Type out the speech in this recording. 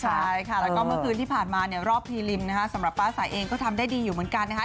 ใช่ค่ะแล้วก็เมื่อคืนที่ผ่านมาเนี่ยรอบพีริมนะคะสำหรับฟ้าสายเองก็ทำได้ดีอยู่เหมือนกันนะคะ